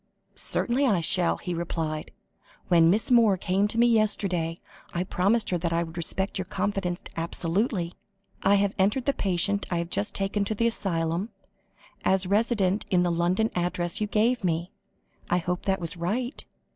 "Certainly I shall," he replied. "When Miss Moore came to me yesterday, I promised her that I would respect your confidence absolutely. I have entered the patient I have just taken to the asylum, as resident at the London address you gave me. I hope that was right?